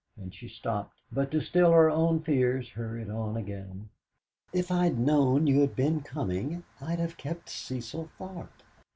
And she stopped, but to still her own fears hurried on again. "If I'd known you'd been coming, I'd have kept Cecil Tharp.